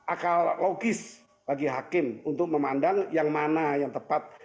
akal logis bagi hakim untuk memandang yang mana yang tepat